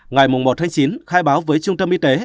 ngày một chín khai báo với trung tâm y tế